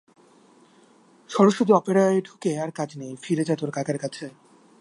সরস্বতী অপেরায় ঢুকে আর কাজ নেই, ফিরে যা তোর কাকার কাছে।